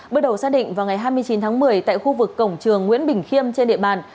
bước đầu xác định vào ngày hai mươi chín tháng một mươi tại khu vực cổng trường nguyễn bình khiêm trên địa bàn